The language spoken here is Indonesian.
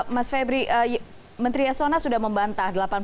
mas febri menteri yasona sudah membantah